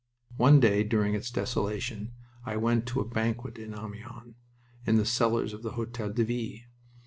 One day during its desolation I went to a banquet in Amiens, in the cellars of the Hotel de Ville.